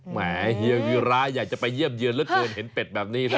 แหมเฮียวีระอยากจะไปเยี่ยมเยินแล้วควรเห็นเป็ดแบบนี้น่ะ